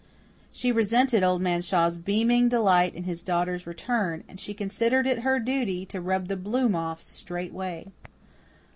She resented Old Man Shaw's beaming delight in his daughter's return, and she "considered it her duty" to rub the bloom off straightway.